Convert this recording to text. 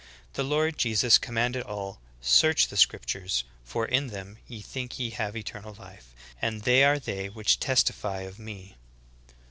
The Lord Jesus commanded all : "Search the scriptures, for in them ye think ye have eternal life ; and they are they which testi fy of me."